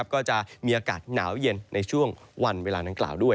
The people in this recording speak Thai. ก็จะมีอากาศหนาวเย็นในช่วงวันเวลาดังกล่าวด้วย